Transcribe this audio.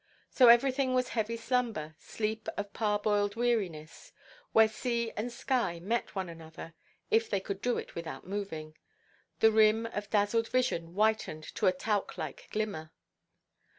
So everything was heavy slumber, sleep of parboiled weariness. Where sea and sky met one another—if they could do it without moving—the rim of dazzled vision whitened to a talc–like glimmer.